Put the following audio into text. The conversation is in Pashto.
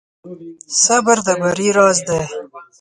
صبر د بری راز دی.